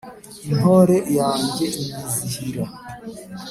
intore yanjye inyizihira.